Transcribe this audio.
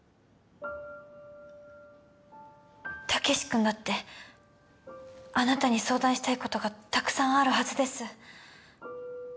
毅くんだってあなたに相談したい事がたくさんあるはずです。